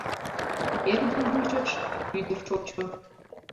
Эргым вучыш — ӱдыр шочо.